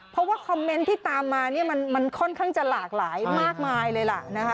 เพราะว่าคอมเมนต์ที่ตามมามันค่อนข้างจะหลากหลายมากมายเลย